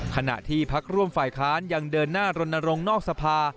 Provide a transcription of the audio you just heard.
ขณะที่พักร่วมฝ่ายค้านยังเดินหน้ารณรงค์นอกสภา